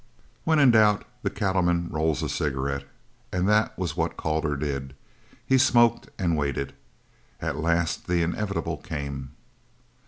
When in doubt the cattleman rolls a cigarette, and that was what Calder did. He smoked and waited. At last the inevitable came.